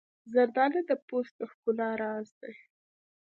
زردالو د پوست د ښکلا راز دی.